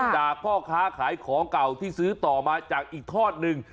พ่อค้าขายของเก่าที่ซื้อต่อมาจากอีกทอดหนึ่ง